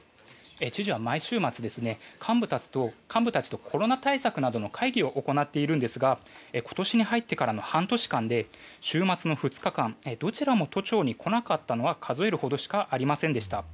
知事は毎週末幹部たちとコロナ対策などの会議を行っているのですが今年に入ってからの半年間で週末の２日間、どちらも都庁に来なかったのは数えるほどしかありませんでした。